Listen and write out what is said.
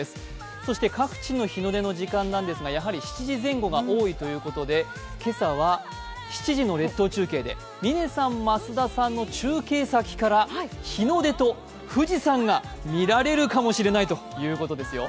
そして各地の日の出の時間なんですが、やはり７時前後が多いということで今朝は７時の列島中継で嶺さん、増田さんの中継先から日の出と富士山が見られるかもしれないということですよ。